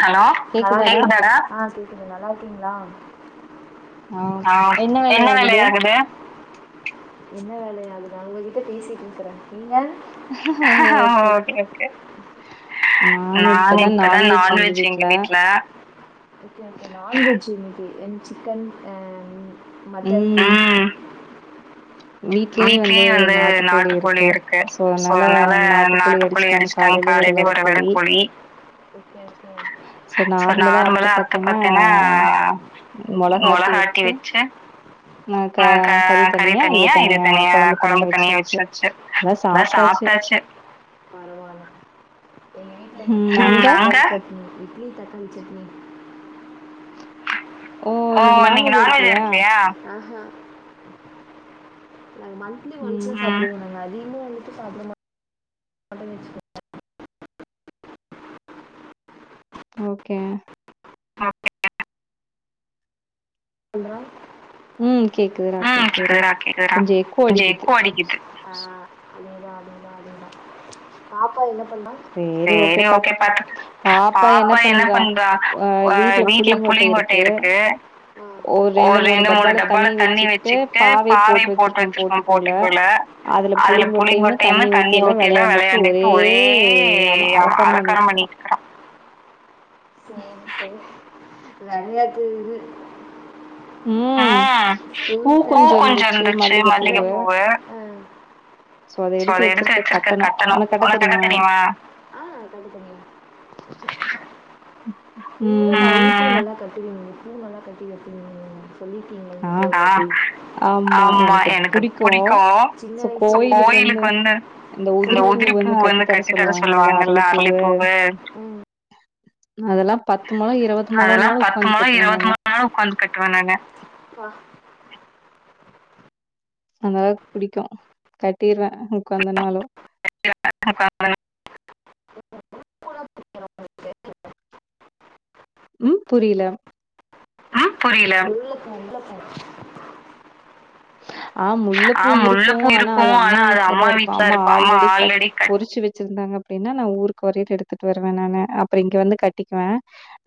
Hello hello கேக்குதாடா ஆன் கேக்குது நல்லா இருக்கீங்ளா ஆ என்ன வேலை ஆகுது என்ன வேல அதுதாங்க உங்க கிட்ட பேசிட்டு இருக்கறே இல்ல ஓகே ஓகே நாங்க இப்பதா நான் வெஜ் எங்க வீட்ல என் சிக்கன் ஹ மட்டன் ம் வீட்லயே வந்து நாட்டுக்கோழி இருக்கு சோ அதனால நாட்டுக்கோழி அடிச்சிட்டாங்க காலைலயே ஒரு வெடகோழி பி ஓகே ஓகே சோ நார்மலா அத்த பாத்தீனா மொளகா ஆட்டி மொளகாட்டி வெச்சு வச்சு ஆ க கறி தனியா இது தனியா கொழம்பு தனியா வெச்சாச்சு இப்பதா சாப் ட்டாச்சு ம் அங்க ஓ இன்னைக்கு நான் வெஜ் எடுக்கலலயா நாங்க மந்த்லி ஒன்ஸ் ம் சாப்புடோவோங்க நாங்க அதிகமா எடுத்து சாப்பிட மா [inaudible] ஓகே [inaudible] இந்திரா ம் கேக்குதுடா ம் கேக்குதுடா கேக்குதுடா கொஞ்சோ எக்கோ அடிக்குது ஆ அதுதா அதுதா அதுதா பாப்பா என்ன பண்றா சேரி ஓகே பாத் பாப்பா என்ன பண்றா அ வீட்ல புளியங்கொட்ட இருக்கு ஒரு ரெண்டு மூணு டப்பால தண்ணி வெச்சுகிட்டு பாவி போட்டு வெச்சிருக்கோ போர்ட்டிக்கோல அதுல புளிங்கொட்டையும் தண்ணி ஊத்தி எல்லா வெளாண்டுகிட்டு ஒரே ஆமா அம அலக்காரம் அளக்காறம் பண்ணிட்ருக்கறா பண்ணிகிட்டு இருக்கா சேர் சேர் வெளயாட்டு இது அ ம் பூ கொஞ்சோ இருந்துச்சு மல்லிகை பூவு [inaudible] சோ அத எடுத்து வெச்சிருக்க கட்டணு உனக்கு கட்ட தெரியுமா ஆ [inaudible] ம் நீங்கதா மல்லி‌ பூ நல்லா கட்டுவிங்ளே பூ நல்லா கட்டி வெப்பிங் சொல்லியிருக்கீங்க ஆ என்கிட்ட ஒருவாட்டி ஆமா எனக்கு அது புடிக்கு சின்ன வயசு கோயிலுக்கு வந்து இந்த உதிரி பூ வந்து கட்டித் தர சொல்லுவாங்கல்ல அரளிப்பூவு ம் அதெல்லா பத் அதெல்லா பத்து மொழோ இருவது மொழமே ஒக்காந்து கட்டுவ நானு அந்தளவுக்கு புடிக்கு கட்டிறுவ உக்காந்தனாலு உட்காந்து [unintelligible] ம் புரில ஆஹ புரியல உள்ள போ உள்ள போ [inaudible] அ முல்ல பூ இருக்கு ஆனா அது அம்மா வீட்லதா இருக்கு அம்மா ஆல்ரெடி கட் பொறிச்சி வச்சு இருந்தாங்க அப்டின்னா நா ஊருக்கு வரேய்ல எடுத்துட்டு வருவே நானு அப்ற இங்க வந்து கட்டிக்குவே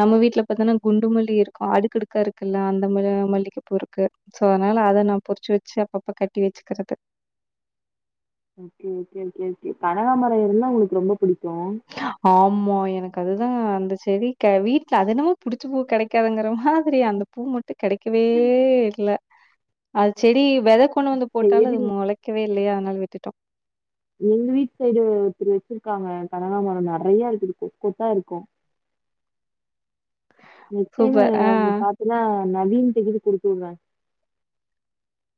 நம்ம வீட்ல பாத்தன்னா குண்டு மல்லி இருக்கு அடுக்கடுக்கா இருக்குல்ல அந்த ம மல்லிக பூ இருக்கு சோ அதனால அத நா பொறிச்சி வச்சு அப்பப்ப கட்டி வச்சுக்கிறது ஒகே ஒகே ஒகே ஒகே கனகாமர இருந்தா எனக்கு ரொம்ப புடிக் ஆமா எனக்கு அதுதா அந்த செடி வீட்ல அது என்னமோ புடிச்ச பூ கெடைக்காதுங்கிற மாதிரி அந்த பூ மட்டு கெடைக்கவே இல்ல அது செடி வெத கொண்டு வந்து சரி போட்டாலு அது எது மொளைக்கவே இல்லையா அதனால விட்டுட்டோ எங்க வீட் சைடு ஒருத்தர் வச்சிருக்காங்க கனகாமர நெறைய வச்சுருக்கு கொத்தா இருக்கு நெக்ஸ்ட் டைமு சூப்பர். ஆ. அவன பாத்தன்னா நவீன்ட கீது குடுத்தூட்றே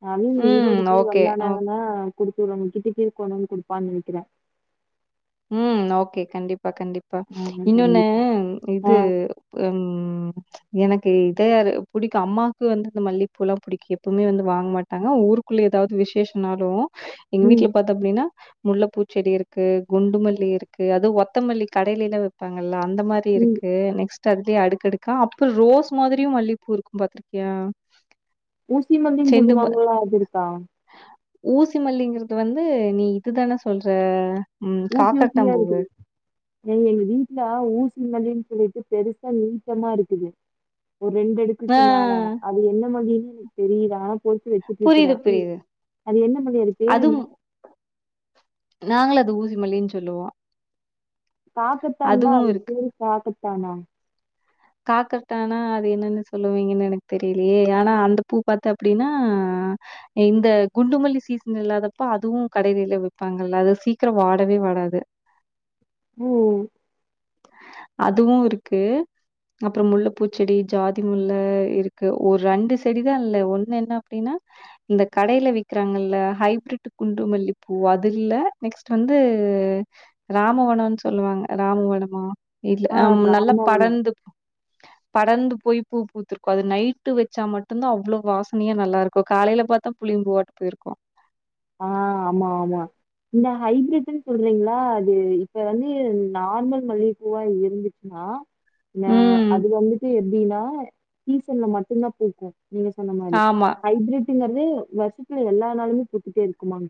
நவீனு ம். ஈரோடிக்கேது ஓகே. ஓ வந்தானாங்கன்னா குடுத்துருவா [unintelligible] கொண் வந்து குடுப்பான்னு நெனைக்கிறே ம் ஓகே கண்டிப் கண்டிப்பா ஆமா இன்னொன்னு கண்டிப்பா. ஆ. இது ம் எனக்கு இதா அது புடிக்கு அம்மாக்கு வந்து இந்த மல்லிப்பூலா புடிக்கு எப்போமே வந்து வாங்க மாட்டாங்க ஊருக் குள்ள ஏதாவது விசேஷனாலு எங்க ம், வீட்ல பாத்தோ அப்டின்னா முல்லப்பூச் செடி இருக்கு குண்டுமல்லி இருக்கு அதுவு ஒத்தமல்லி கடைலிலா விப்பாங்கல்ல அந்த மாறி ம். இருக்கு நெக்ஸ்ட் தங்கி அடுக்கடுக்கா அப்புற் ரோஸ் மாதிரியு மல்லிப்பூ இருக்கு பாத்திருக்கியா ஊசி மல்லின்னு சொல்லுவாங்க இல்ல அது இருக்கா ஊசி மல்லிங்கிறது வந்து நீ இதுதானே சொல்ற ம் ஊசி ஊசியா காக்கரட்டாம்பூவு இருக்குமே எங் எங்க வீட்ல ஊசி மல்லின்னு சொல்லிட்டு பெருசா நீட்டமா இருக்குது ஒரு ரெண்டு ஆ இடுக்குக்கு மேல அது என்ன மல்லின்னு உனக் தெரிதா போட்டு புரியுது வச்சுட்டா உ புரியுது. அது என்ன மல்லி அது பேரு என்ன நாங்களு அத ஊசி மல்லின்னு சொல்லுவோ காக்கத்தான்னா அது பேரு காக்கத்தானா காக்கத்தானா அது என்னன்னு சொல்லுவீங்கன்னு எனக்கு தெரிலியே ஆனா அந்த பூ பாத்த அப்படின்னா அ இந்த குண்டுமல்லி சீசன் இல்லாதப்ப அதுவு கடைகள்ல விப்பாங்கல்ல அது சீக்ர வாடவே ஓடாது ம் அதுவு இருக்கு அப்ற முல்லப்பூச்செடி ஜாதி முல்ல இருக்கு ஒரு ரெண்டு செடிதா இல்ல ஒன்னு என்ன அப்டின்னா இந்த கடைல விக்கிறாங்கல்ல ஹைப்பிரிட் குண்டு மல்லிப்பூ அதுல்ல நெக்ஸ்ட் வந்து இது ராமவனம்ன்னு சொல்லுவாங்க ராமுவனமா இல்ல ஆ நல்லா ராமவனம். படர்ந்து படர்ந்து போய் பூ பூத்துருக்கு அது நைட்டு வச்சா மட்டுந்தா அவ்ளோ வாசனையா நல்லாருக்கு காலைல பாத்தா புளி இங்க ஓடி போய்ருக்கு ஹைப்பிரிடினு சொல்றிங்கலா அது இப்ப வந்து நார்மல் மல்லிகப்பூவா இருந்துச்சுனா அ ம். அது வந்துட்டு எப்டின்னா சீசன்ல மட்டுந்தா பூக்கு நீங்க சொன்ன மாறி ஆமா. ஹைப்பிரிட்டுங்றது வருஷத்துல எல்லா நாளுமே பூத்துட்டே இருக்குமாமே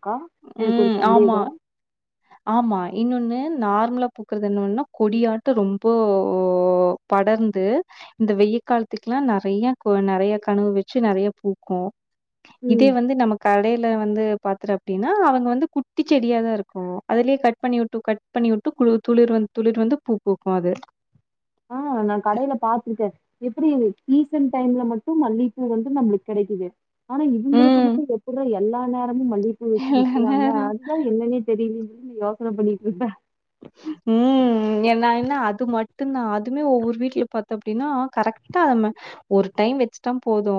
ம் ஆமா ஆமா இன்னொன்னு நா ர்மலா பூக்றது என்னவெண்ணா கொடியாட்ட ரொம்போ படர்ந்து இந்த வெய காலத்து கெல்லா நெறைய நெறைய கனவு வச்சு நெறைய பூக்கு ம். இதே வந்து நம்ம கடைல வந்து பாத்துற அப்படின்னா அவங்க வந்து குட்டி செடியாதா இருக்கு அதுலயே கட் பண்ணி வுட்டு கட் பண்ணி வுட்டு குளிர் துளிர் வந்து துளிர் வந்து ந்து பூ பூக்கு அது நா நா கடையில பாத்திருக்கே எப்படி சீசன் டைம்ல மட்டு மல்லி பூ வந்து நம்ப்ளுக் கெடைக்கிது ஆனா இவுங்களுக்கு ம். மட்டு எப்புட்ரா எல்லா நா அங்க மல்லிகப்பூ வெச்சு எல்லா விக்கறாங்க நேரம் அதுதா என்னன்னே தெரியலயேன்னு யோசன பண்ணிட்ருக்கே ம் என்னான்னா அது மட்டுந்தா அதுமே ஒவ்வொரு வீட்லியு பாத்தோ அப்டின்னா கரெக்டா ம ஒரு டை டைம் வெச்சுட்ட போது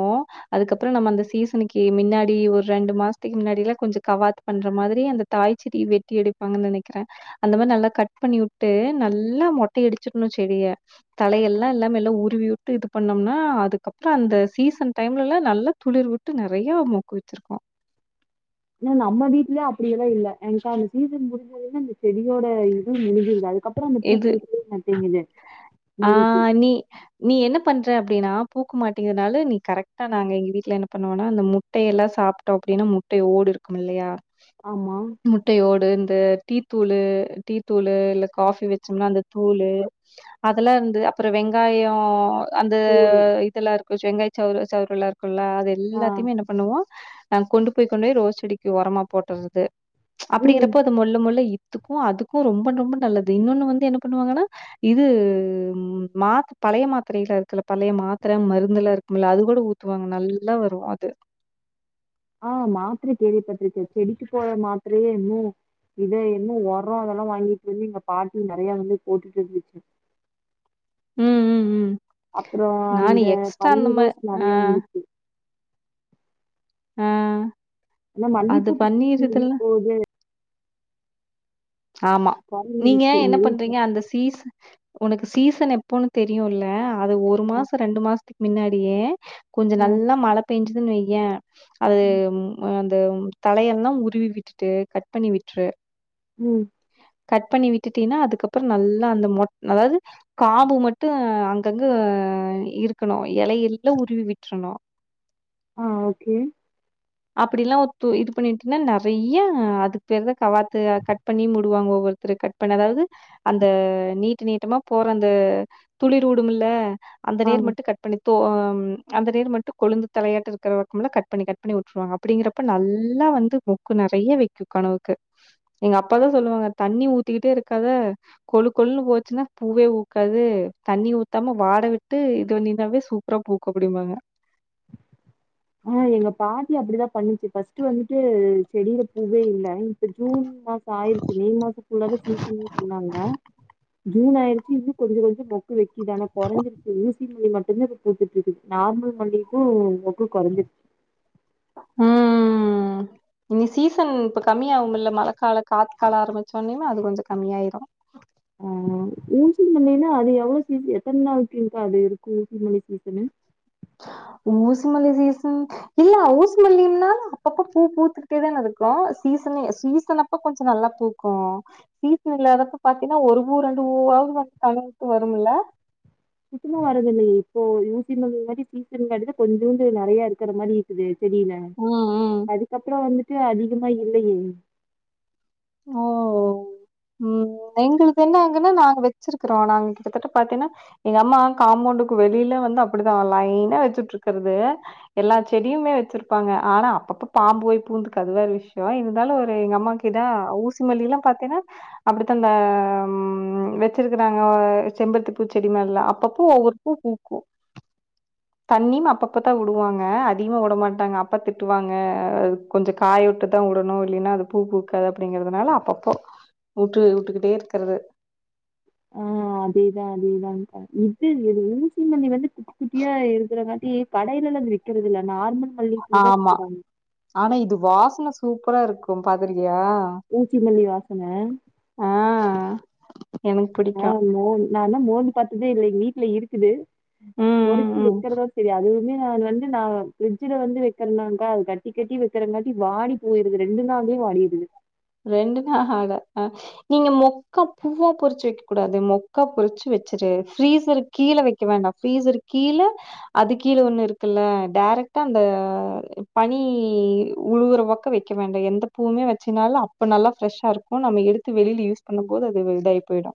அதுக்கப்புற நம்ம அந்த சீசனுக்கு மின்னாடியே ஒரு ரெண்டு மாஸ்த்துக்கு முன்னாடில்லா கொஞ் கவாத் பண்ற மாதிரி அந்த தாய்ச்செடி வெட்டி எடுப்பாங்கன் நெனைக்கிறே அந்த மாரி நல்லா கட் பண்ணி வுட்டு நல்லா மொட்டை அடிச்சிட்ணு செடிய தலையெல்லா இல்லாம எல்லா உரி வி விட்டு இது பண்ணோம்னா அதுக்கப்ற அந்த சீசன் டைம்லல்லா நல்லா துளிர் விட்டு நெறைய மொக்கு வெச்சிருக்கோ ஏனா நம்ம வீட்லே அப்படியெல்லா இல்ல என்காங் அந் சீசன் முடிஞ்சதுன்ன அந்த செடியோட இதுவு முடிஞ்சிருது அது எது ஆ மல்லிப்பூ நீ நீ என்ன பண்ற அப்டீனா பூக்கு மாட்டேங்கித்னால நீ கரெக்டா நாங்க எங்க வீட்ல என்ன பண்ணுவோன்னா அந்த முட்டையெல்லா சாப்ட்டோ அப்டினா மு ட்டை ஓடு இருக்குமில்லையா ஆமா முட்டையோடு இந்த டீத்தூளு டீத்தூளு இல்ல காஃபி வச்சோம்னா அந்த தூளு அதெல்லா இருந்து அப்புற வெங்காயோ அந்த தோலு இதெல்லா இருக்கு ஷ வெங்காய சவுறு சவுறுல்லா இருக்குல்லா அது ஆ எல்லாத்திய்மே என்ன பண்ணுவோ அ கொண்டு போய் கொண்டு போய் ரோஸ் செடிக்கு ஒரமா போட்டற்றது ம் அப்படிங்கறப்போ அது மொல்ல மொல்ல இ துக்கு அதுக்கு ரொம்ப ரொம்ப நல்ல து இன்னொன்னு வந்து என்ன பண்ணுவாங்கன்னா இது ம் மாத் பழைய மாத்திரைல்லா இருக்குல்ல பழைய மாத் மருந்து எல்லா இருக்குமில்ல அது கூட ஊத்துவாங்க நல்லா வரு அது ஆ மாத்திர கேள்விபட்ருக்க செடிக்கு போட்ற மாத்திரையே இன்னு இத இன்னு ஒரோ அதெல்லா வாங்கிட்டு வந்து எங்க பாட்டி நெறைய வந்து போட்டுட்டு இருந்துச்சு ம் ம் ம் அப்புறம் நானு அந்த எக்ஸ்ட்ரா பன்னீர் அந்தம ரோஸ் அ நெறைய வந்துச்சு. ஆ ஆனா அது மல்லிப்பூ ப்ப சீசன் முடிய பண்ணிருதுல்ல. போது ஆமா நீங்க கொறஞ்சிருச்சு என்ன எங்க வீட்ல. பண்றீங்க அந்த சீஸ உனக்கு சீசன் எப்போன்னு தெரியுல்ல அது ஒரு மாச ரெண்டு மாசத்துக் மின்னாடியே கொஞ்ச அ நல்லா மழை பேஞ்சுதுன் வய்யே அது ம் அ த தலையெல்லா உருவி விட்டுட்டு கட் பண்ணி விட்ரு ம் கட் பண்ணி விட்டுட்டீன்னா அதுக்கப்புற நல்லா அந்த மொட் அதாவ்து காம்பு மட்டு ஆ அங்கங்க ஆ இருக்கணு எலையெல்லா உருவி விட்றணு ஆ ஓகே அப்படி எல்லா ஒத்து இது பண்ணி விட்டன்னா நெறைய அதுக் பேர்தா கவாத்து கட் பண்ணி முடூவாங்கோ ஒருத்தரு கட் பண்ண அதாவது அந்த நீட்டு நீட்டமா போற அந்த துளிருவுடும்மில்ல அந்த நேர் மட்டு கட் பண்ணி தோ அ ம் அந்த நேரு மட்டு கொழுந்து தலையாட்ட இருக்கிறபக்கமெல்லா கட் பண்ணி கட் பண்ணி வுட்ருவாங்க அப்படிங்கறப்ப நல்லா வந்து மொக்கு நெறைய வெக்கு கனுவுக்கு எங்க அப்பாதா சொல்லுவாங்க தண்ணி ஊத்திக்கிட்டே இருக்காத கொழு கொள்ளுன்னு போச்சுன்னா பூவே ஊக்காது து தண்ணி ஊத்தாம வாட விட்டு இதுவண்ணிருந்தாவே சூப்பரா பூக்க அப்படிம்பாங்க ஆ எங்க பாட்டி அப்படிதா பண்ணிச்சு ஃபஸ்ட்டு வந்துட்டு செடியில பூவே இல்ல இப்ப ஜூன் மாச ஆயிருச்சு மே மாச ஃபுல்லாவே சீசன்னு சொன்னாங்க ஜூன் ஆயிரிருச்சு இன்னு கொஞ்ச கொஞ்ச மொக்கு வெக் கிது ஆனா கொறஞ்சிருச்சு ஊசி மல்லி மட்டுந்தா இப்ப பூத்துட்ருக்கு நார்மல் மல்லிக பூ மொ க்கு கொறஞ்சிருச்சு ம் இனி சீசன் இப்ப கம்மியாகுமில்ல மழைக்கால காத்து கால ஆரம்பிச்சொன்னியுமே அது கொஞ்ச கம்மியாயிரு அ ஊசி மல்லின்னா அது எவ்ளோ சீசன் எத்தன் நாளுக்கு இங்காவுது அது இருக்கு ஊசி மல்லி சீசனு ஊசி மல்லி சீசன் இல்ல ஊசி மல்லினா அப்பப்ப பூ பூத்துக்கிட்டே தானேருக்கோ சீ சீசனே சீசனப்ப கொஞ்சோ நல்லா பூக்கு சீசன் இல்லாதப்ப பாத்தீன்னா ஒரு பூ ரெண்டு பூவாது பூ தலைத்து வருமில்ல சுத்தமா வரதில்லையே இப்போ ஊசி மல்லி மாரி சீசனுங் காட்டிதா கொஞ்சூண்டு நெறைய இருக்குற மாரி இருக்குது தெரில ம், ம். அதுக்கப்புறோ வந்துட்டு அதிகமா இல்லையே ஓ ம் எங்களுக்கு என்ன அங்கன்னா நாங்க வெச்சிருக்கறோ நாங்க கிட்டத்தட்ட பாத்தீன்னா எங்க அம்மா காம்பவுண்டுக்கு வெளில வந்து அப்டிதா லைனா வெச்சிட்ருக்குறது எல்லா செடியுல வெச்சிருப்பாங்க ஆனா அப்பப்ப பாம் பு போய் பூந்துக்கு அது வேற விஷ்யோ இருந்தாலு ஒரு எங்க அம்மாக்கு இந் த ஊசிமல்லில்லா பத்தீன்னா அப்டித்தா அந்த ம் வெச்சிருக்குறாங்க செம் பருத்திப்பூச்செடி மார்லா அப்பப்போ ஒவ்வொரு பூ பூக்கு தண்ணியும் அப்பப்பதா வுடுவாங்க அதிகமா வுடமாட்டாங்க அப்பா திட்டுவாங்க கொஞ்சோ காயவுட் டி தா வுடணு இல்லின்னா அது பூ பூக்காது அப்டிங்கறதுனால அப்பப்போ வுட்டு வுட்டுக்கிட்டே இருக்கறது அ அ அதேதா அதேதாங்கா இது ஊசிமனி வந்து குட்டி குட்டியா இருக்கற காட்டி கடைல லன் விக்கிறதில்ல நார்மல் மல்லிப்பூ தா ஆமா விக்கிறாங்க ஆனா இது வாசன சூப்பராருக்கு பாத்திருக் கியா ஊசி மல்லி வாசன அ அ மோ நா இன்னோ மோந்து பாத்ததே இல்ல எங்க வீட்ல இருக்குது ம் ம் பொரிச்சி ம் வெக்கிறதா செரி அதுவுமே அ அது வந்து நா ஃபிர்ஜில வந்து வெக்கறனால்தா அது கட்டி கட்டி வெக்கறங்காட்டி வாடி போயிறுது ரெண்டு நாள்லே பூ அழிது ரெண்டு நா ஆகால அ நீங்க மொக்க பூவா பரிச்சி வெக்க கூடாது மொக்கா பரிச்சி வெக் வெச்சிட்டு ஃப்ரீசர் கீல வெக்க வேண்டா ஃப்ரீசர் கீல அது கீல ஒன்னு இருக்குல்ல டேர் ரெக்ட்டா அந்த பனி உழுவுர பக்கோ வெய்க்க வேண்ட எந்த பூவுமே வெச்சினாலு அப் இப்போ நல்லா ஃப்ரெஷ்ஷா இருக்கு நம்ம எடுத்து வெளில யூஸ் பண்ணும் போது அது வெல்டாயி போயிடு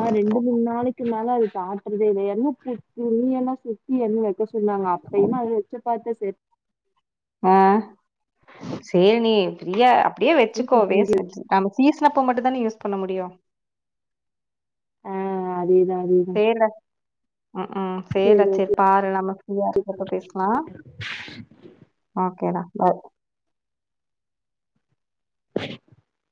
அ ரெண்டு மூண் நாளைக்கு மேலருக் சாப்பற்றதே இதே என்ன பூ நீ எல்லா சுத்தி எண்ண வைக்க சொன்னாங்க அப்பயிமே அத வெச்ச பாத்த செரி அ சேரி நீ ஃப்ரியா அப் ப்டியே வெச்சிக்கோ தூக்கி வேல் வீசியாச்சு. [unintelligible] ஆம சீசனப்போ மட்டுந்தானே யூஸ் பண்ண முடியு அ அதேதா சேர்ரா ம்கும் சரி சேர்ரா ஓகே. செரி பாரு நம்ம ஃப்ரீயா இருக்குறப்ப பேஸ்லா ஓகேடா பாய் [inaudible]